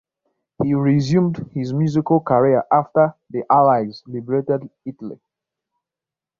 He resumed his musical career after the Allies liberated Italy.